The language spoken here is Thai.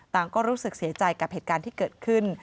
ก็รู้สึกเสียใจกับเหตุการณ์ที่เกิดขึ้น